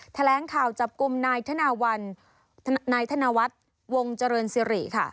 แถลงข่าวจับกลุ่มนายธนวัตรวงเจริญศรีค่ะ